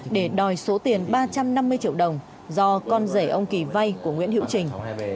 để đòi số tiền ba trăm năm mươi triệu đồng do con rể ông kỳ vay của nguyễn hữu trình